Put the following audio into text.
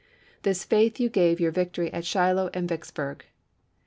This faith gave you victory at Shiloh and Vicks bm*g.